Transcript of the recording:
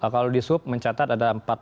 kalau di sub mencatat ada empat